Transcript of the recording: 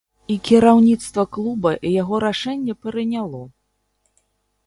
І кіраўніцтва клуба яго рашэнне прыняло.